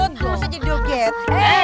nggak usah jadi duket